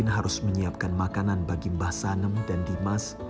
harus menyiapkan makanan bagi mbah sanem dan dimas